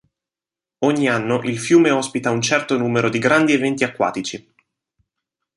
Ogni anno il fiume ospita un certo numero di grandi eventi acquatici.